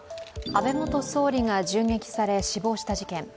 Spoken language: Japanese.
安倍元総理が銃撃され、死亡した事件。